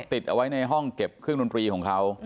ติดเอาไว้ในห้องเก็บเครื่องดนตรีของเขา